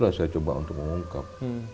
saya coba untuk mengungkap